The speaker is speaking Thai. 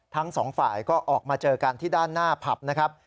ทั้งสองฝ่ายก็ออกมาเจอกันที่ด้านหน้าผับนะครับ